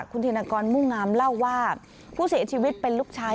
คุณธินกรมุ่งงามเล่าว่าผู้เสียชีวิตเป็นลูกชาย